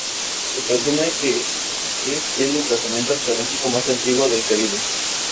Se presume que es el emplazamiento arqueológico más antiguo del Caribe.